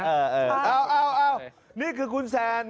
เอานี่คือคุณแซน